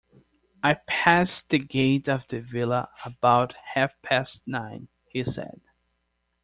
"I passed the gate of the villa about half-past nine," he said.